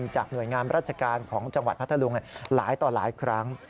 จากหน่วยงามราชการของจังหวัดพัทธลุงหลายต่อหลายครั้ง